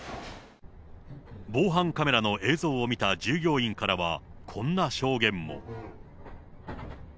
防犯カメラの映像を見た従業員からは、こんな証言も。